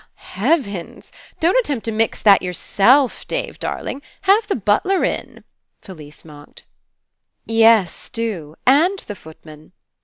"Heavens! Don't attempt to mix that yourself, Dave darling. Have the butler in," Fellse mocked. "Yes, do. And the footman."